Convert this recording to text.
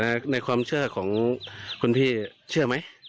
แต่ในความเชื่อของคุณพี่เชื่อมั้ย